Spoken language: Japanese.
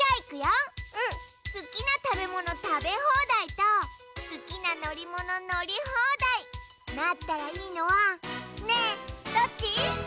すきなたべものたべほうだいとすきなのりもののりほうだいなったらいいのはねえどっち？